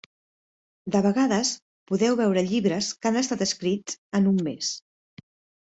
De vegades podeu veure llibres que han estat escrits en un mes.